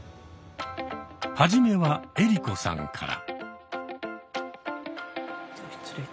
初めは江里子さんから。